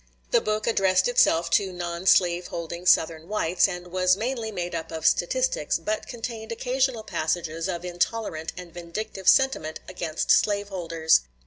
The book addressed itself to non slaveholding Southern whites, and was mainly made up of statistics, but contained occasional passages of intolerant and vindictive sentiment against slaveholders.